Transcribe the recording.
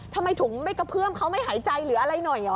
ทำไมถุงไม่กระเพื่อมเขาไม่หายใจหรืออะไรหน่อย